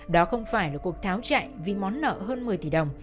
đó không phải là cuộc tháo chạy vì món nợ hơn một mươi tỷ đồng